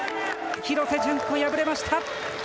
廣瀬順子敗れました。